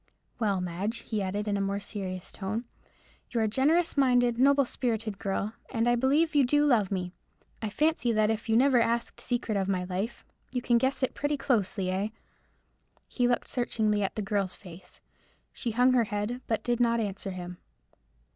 Well, Madge," he added, in a more serious tone, "you're a generous minded, noble spirited girl, and I believe you do love me. I fancy that if you never asked the secret of my life, you can guess it pretty closely, eh?" He looked searchingly at the girl's face. She hung her head, but did not answer him.